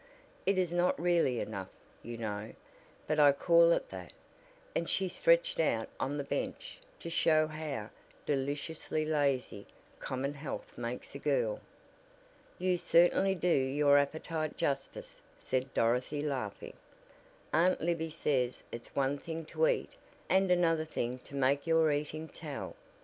It is not really enough, you know, but I call it that," and she stretched out on the bench to show how "deliciously lazy" common health makes a girl. "You certainly do your appetite justice," said Dorothy laughing. "Aunt Libby says it's one thing to eat, and another thing to make your eating 'tell.'